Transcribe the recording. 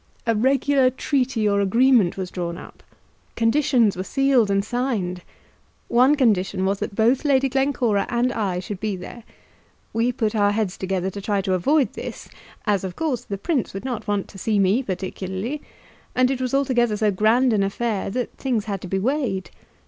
"A regular treaty or agreement was drawn up. Conditions were sealed and signed. One condition was that both Lady Glencora and I should be there. We put our heads together to try to avoid this; as, of course, the Prince would not want to see me particularly, and it was altogether so grand an affair that things had to be weighed.